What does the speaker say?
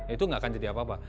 itu nggak akan jadi apa apa